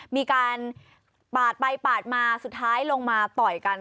มีการปาดไปปาดมาสุดท้ายลงมาต่อยกัน